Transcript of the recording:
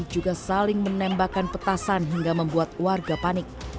juga saling menembakkan petasan hingga membuat warga panik